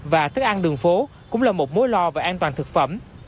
và thức ăn đường phố cũng là một mối lo về an toàn thực phẩm